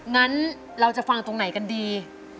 งั้นเราจะฟังตรงไหนกันดี